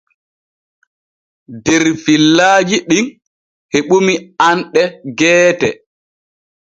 Der fillajiɗin heɓuni anɗe geete.